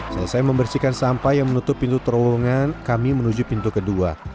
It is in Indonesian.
selesai membersihkan sampah yang menutup pintu terowongan kami menuju pintu kedua